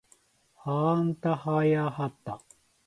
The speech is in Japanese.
はあんたはやはた